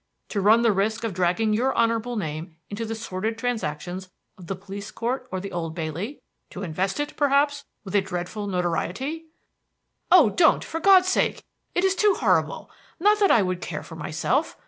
To run the risk of dragging your honorable name into the sordid transactions of the police court or the Old Bailey? To invest it, perhaps, with a dreadful notoriety?" "Oh, don't! for God's sake! It is too horrible! Not that I would care for myself.